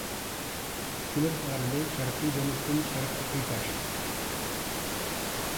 ئىسكىلىت ئارىلى، شەرقىي جەنۇبتىن شەرققە قىيپاش.